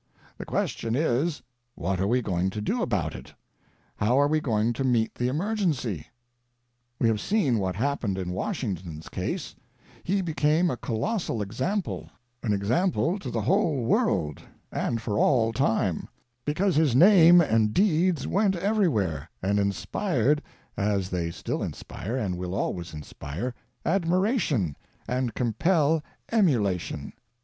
The question is, what are we going to do about it, how are we going to meet the emergency? We have seen what hap pened in Washington's case: he became a colossal example, an example to the whole world, and for all time — because his name and deeds went everywhere, and inspired, as they still inspire, and will always inspire, admiration, and compel emulation.